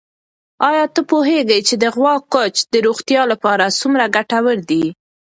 آیا ته پوهېږې چې د غوا کوچ د روغتیا لپاره څومره ګټور دی؟